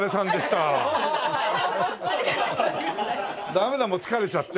ダメだもう疲れちゃって。